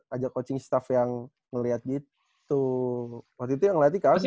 ada coaching staff yang ngeliat gitu waktu itu yang ngeliat kak agung